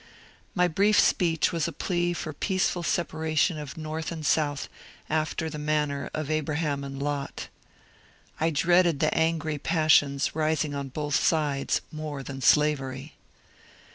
My brief speech was a plea for peaceful separation of North and South after the manner of Abraham and Lot. I dreaded the angry passions rising on both sides more than slavery.